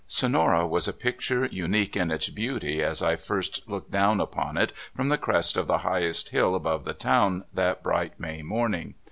Sonora was a picture unique in its beauty as I first looked down upon it from the crest of the highest hill above the town that bright May morn ing.